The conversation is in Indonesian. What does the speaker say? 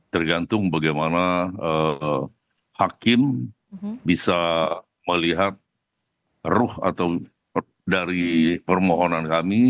tergantung bagaimana hakim bisa melihat ruh atau dari permohonan kami